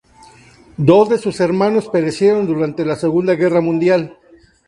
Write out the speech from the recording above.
Dos de sus hermanos perecieron durante la segunda guerra mundial.